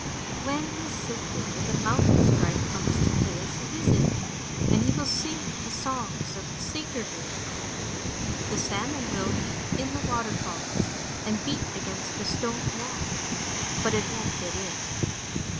When we sit there the mountain sprite comes to pay us a visit, and he will sing you the songs of the Salter girls. The salmon will leap in the waterfalls, and beat against the stone wall, but it won't get in.